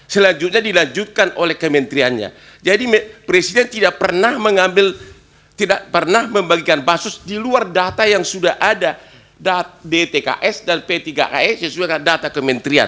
selanjutnya dilanjutkan oleh kementeriannya jadi presiden tidak pernah membagikan bancos di luar data yang sudah ada dtks dan ptke sesuai dengan data kementerian